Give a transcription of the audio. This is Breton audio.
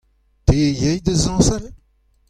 Te a yay da zañsal ?